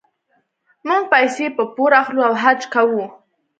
موږ پیسې په پور اخلو او حج کوو.